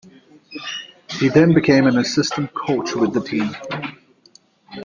He then became an assistant coach with the team.